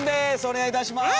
お願いいたします！